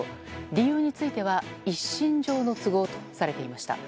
理由については一身上の都合とされていました。